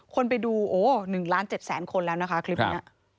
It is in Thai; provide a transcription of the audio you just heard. คนไปดูโอ้๑ล้าน๗แสนคนแล้วนะคะคลิปนี้